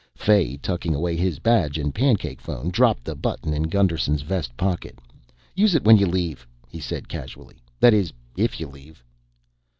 Fay, tucking away his badge and pancake phone, dropped the button in Gusterson's vest pocket. "Use it when you leave," he said casually. "That is, if you leave."